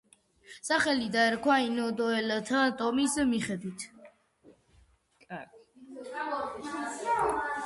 სახელი დაერქვა ინდიელთა ტომის მიხედვით.